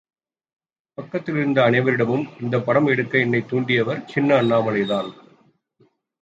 பக்கத்திலிருந்த அனைவரிடமும் இந்தப்படம் எடுக்க என்னைத் தூண்டியவர் சின்ன அண்ணாமலைதான்.